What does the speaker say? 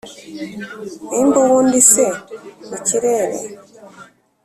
Mpimbe uwundi se mu kirere